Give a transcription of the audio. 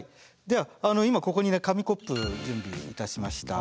では今ここにね紙コップ準備いたしました。